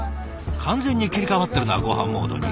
完全に切り替わってるなごはんモードに。